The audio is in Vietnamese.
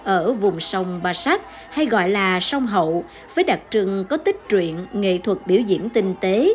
ở vùng sông basak hay gọi là sông hậu với đặc trưng có tích truyện nghệ thuật biểu diễn tinh tế